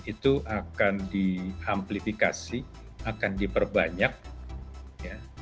itu akan diamplifikasi akan diperbanyak ya